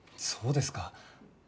そうですか。